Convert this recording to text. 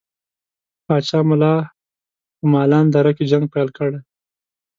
پاچا ملا په مالان دره کې جنګ پیل کړي.